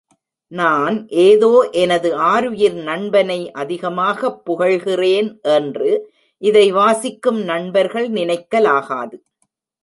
நான் ஏதோ எனது ஆருயிர் நண்பனை அதிகமாகப் புகழ்கின்றேன் என்று இதை வாசிக்கும் நண்பர்கள் நினைக்கலாகாது.